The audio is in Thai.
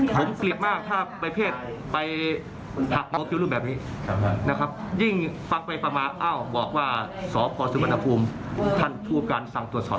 สั่งตรวจสอบสอบพร้อมก็ตรวจสอบ